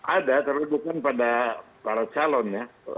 ada terutama pada para calon ya